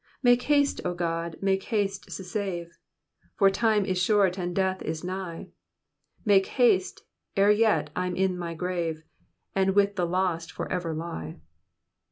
^ Make haste, O God I make haste to save ! For time is short, and death is ni^h ; Make haste ere yet I'm in my grave. And with the lost forever lie.